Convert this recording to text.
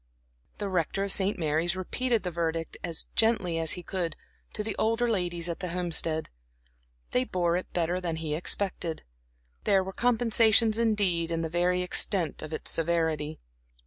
The Rector of St. Mary's repeated the verdict, as gently as he could, to the older ladies at the Homestead. They bore it better than he expected. There were compensations indeed in the very extent of its severity.